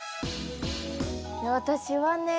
私はね